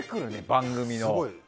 番組の。